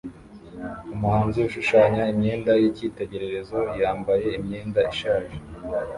Umuhanzi ushushanya imyenda yicyitegererezo yambaye imyenda ishaje